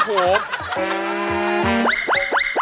โอ๊ย